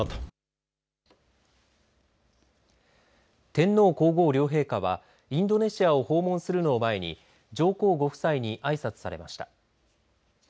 天皇皇后両陛下はインドネシアを訪問するのを前に上皇ご夫妻にあいさつされました。